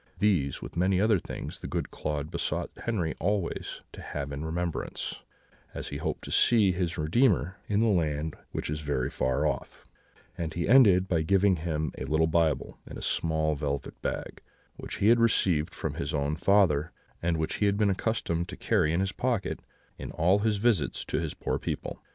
These, with many other things, the good Claude besought Henri always to have in remembrance, as he hoped to see his Redeemer in the land which is very far off; and he ended by giving him a little Bible, in a small velvet bag, which he had received from his own father, and which he had been accustomed to carry in his pocket in all his visits to his poor people.